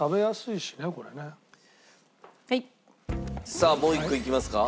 さあもう一個いきますか？